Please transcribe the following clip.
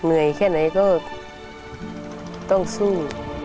เหนื่อยแค่ไหนก็ต้องสู้